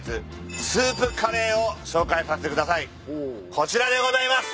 こちらでございます。